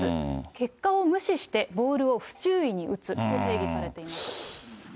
結果を無視してボールを不注意に打つと定義されています。